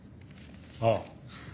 ああ。